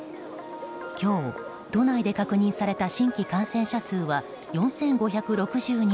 今日、都内で確認された新規感染者数は４５６２人。